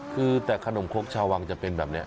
คือแต่ขนมครกชาววังจะเป็นแบบนี้